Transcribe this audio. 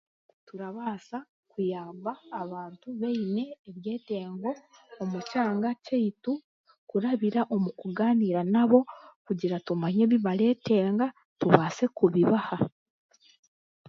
Turabaasa kuyamba abantu baine ebyetengo omu kyanga kyaitu kurabira omu kugaaniira nabo kugira tumanye ebi baretenga tubaase kubibaha